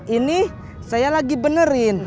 ini saya lagi benerin